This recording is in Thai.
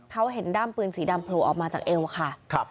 เขาเห็นด้ามปืนสีดำโผล่ออกมาจากเอวค่ะ